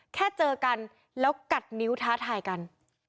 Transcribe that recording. เจอกันแล้วกัดนิ้วท้าทายกัน